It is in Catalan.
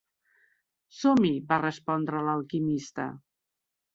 "Som-hi", va respondre d'alquimista.